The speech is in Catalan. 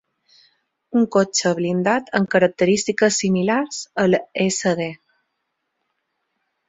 Un cotxe blindat amb característiques similars a l'Sd.